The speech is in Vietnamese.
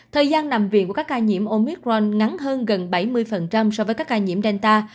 thời gian nằm viện của các ca nhiễm omicron ngắn hơn gần bảy mươi so với các ca nhiễm delta